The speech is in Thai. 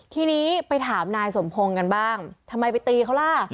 ทีนี้ไปถามนายสมพงศ์กันบ้างทำไมไปตีเขาล่ะ